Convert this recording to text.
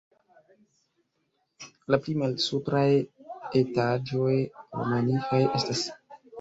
La pli malsupraj etaĝoj romanikaj estas.